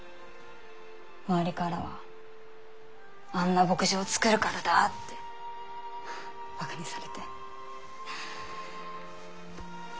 周りからはあんな牧場を作るからだってバカにされて。